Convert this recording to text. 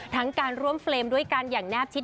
ทั้งการร่วมเฟรมด้วยกันอย่างแนบชิด